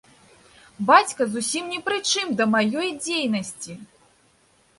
Бацька зусім ні пры чым да маёй дзейнасці!